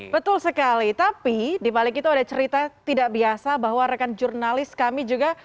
betul sekali tapi dibalik itu ada cerita tidak biasa bahwa rekan jurnalis kami juga